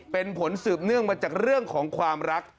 เป็นผลสืบเนื่องมาจากเรื่องของความรัก